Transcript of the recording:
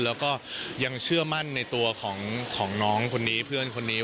แล้วก็ยังเชื่อมั่นในตัวของน้องคนนี้เพื่อนคนนี้